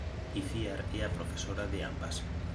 Iciar é a profesora de ambas.